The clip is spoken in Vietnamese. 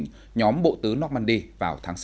hội nghị thượng định nhóm bộ tứ normandy vào tháng sáu